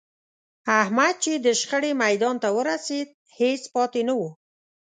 احمد چې د شخړې میدان ته ورسېد، هېڅ پاتې نه و.